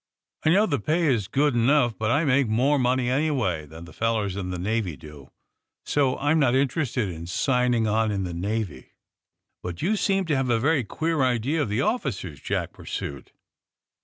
I know the pay is good enough, but I make more money, anyway, than the fellers in the Navy do. So I'm not inter ested in signing on in the Navy. " But you seem to have a very queer idea of the officers," Jack pursued.